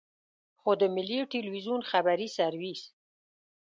خو د ملي ټلویزیون خبري سرویس.